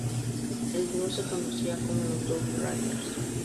El dúo se conocía como los Double Riders.